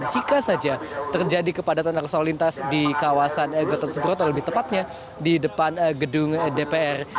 jika saja terjadi kepadatan arus lalu lintas di kawasan gatot subroto lebih tepatnya di depan gedung dpr